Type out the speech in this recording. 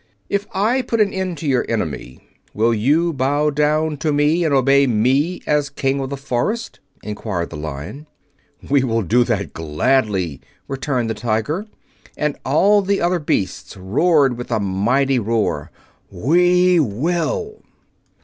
"If I put an end to your enemy, will you bow down to me and obey me as King of the Forest?" inquired the Lion. "We will do that gladly," returned the tiger; and all the other beasts roared with a mighty roar: "We will!"